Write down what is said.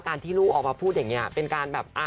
ที่ลูกออกมาพูดอย่างนี้เป็นการแบบ